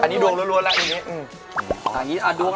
อันนี้ดวงรวดแล้วอีกนิดนึง